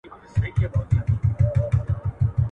سندرې د اوږدمهالو څېړنو اړتیا لري.